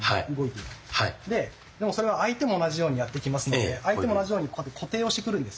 でもそれは相手も同じようにやってきますので相手も同じように固定をしてくるんですね。